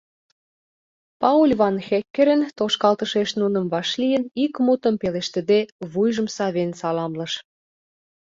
Пауль Ван-Хеккерен, тошкалтышеш нуным вашлийын, ик мутым пелештыде, вуйжым савен саламлыш.